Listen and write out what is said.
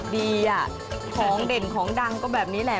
ดีอ่ะของเด่นของดังก็แบบนี้แหละ